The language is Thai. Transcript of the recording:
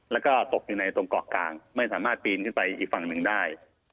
แล้วก็ตกอยู่ในต้องกอกกลางไม่สามารถบูนอยู่ใบอีกฝั่งชอบนึงได้